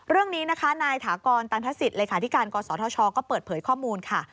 เรื่องนี้นะคะนายถากรตันทศิษย์เลขาธิการกศธชก็เปิดเผยข้อมูลค่ะ